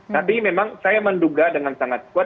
tapi memang saya menduga dengan sangat kuat